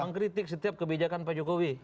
mengkritik setiap kebijakan pak jokowi